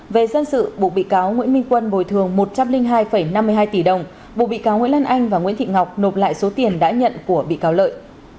về dân sự buộc bị cáo nguyễn minh quân bồi thường một trăm linh hai năm mươi hai tỷ đồng bộ bị cáo nguyễn lan anh và nguyễn thị ngọc nộp lại số tiền đã nhận của bị cáo lợi